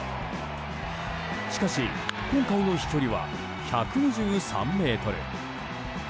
しかし今回の飛距離は１２３ｍ。